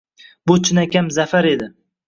Bu chinakam zafar edi.